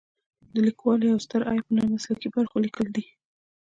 د لیکوالو یو ستر عیب په نامسلکي برخو لیکل دي.